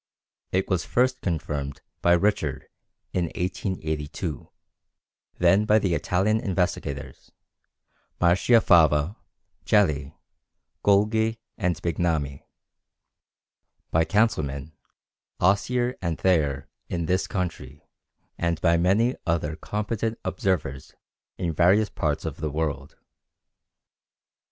It was first confirmed by Richard in 1882; then by the Italian investigators, Marchiafava, Celli, Golgi and Bignami; by Councilman, Osier and Thayer in this country, and by many other competent observers in various parts of the world.